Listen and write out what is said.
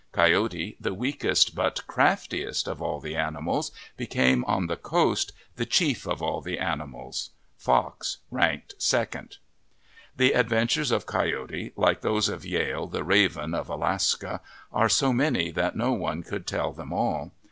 Coyote, the weakest but craftiest of all the animals, became, on the coast, " the chief of all the animals/ 3 Fox ranked second. The adventures of Coyote, like those of Yehl, the Raven, of Alaska, are " so many that no one could tell them all."